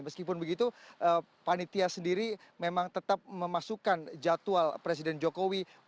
meskipun begitu panitia sendiri memang tetap memasukkan jadwal presiden jokowi